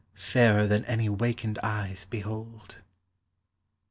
Fairer than any wakened eves behold.